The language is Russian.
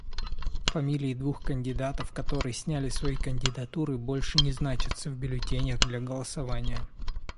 Фамилии двух кандидатов, которые сняли свои кандидатуры, больше не значатся в бюллетенях для голосования.